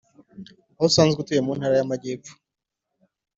aho asanzwe atuye mu ntara ya majyepfo